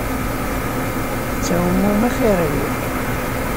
Tettɛummum axiṛ-iw.